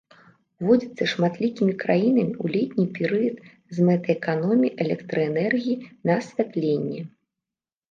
Уводзіцца шматлікімі краінамі ў летні перыяд з мэтай эканоміі электраэнергіі на асвятленне.